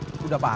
sipur kemana coy